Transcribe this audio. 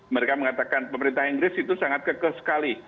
mereka mengatakan pemerintah inggris itu sangat kekeh sekali